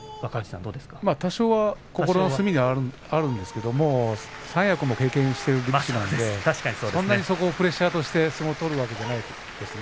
多少はね、心の隅にはあるでしょうけれど三役も経験しているのでそんなにそこをプレッシャーとして相撲を取るわけではないと思います。